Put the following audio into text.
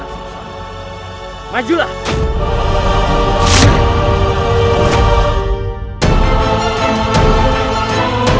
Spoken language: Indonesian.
kalau kalian ingin